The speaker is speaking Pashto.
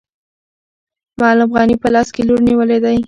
معلم غني په لاس کې لور نیولی دی.